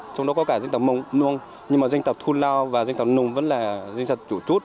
trong đó có cả dân tộc mông nhưng mà dân tộc thu lao và dân tộc nùng vẫn là dân tộc chủ trút